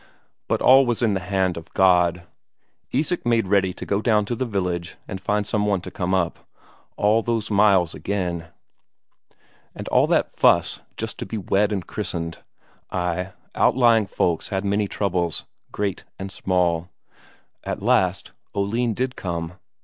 But all was in the hand of God. Isak made ready to go down to the village and find some one to come up. All those miles again! And all that fuss just to be wed and christened. Ay, outlying folks had many troubles, great and small. At last Oline did come....